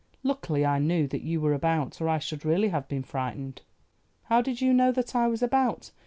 Luckily I knew that you were about or I should really have been frightened." "How did you know that I was about?"